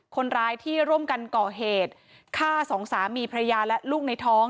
คนร้ายที่ร่วมกันก่อเหตุฆ่าสองสามีพระยาและลูกในท้อง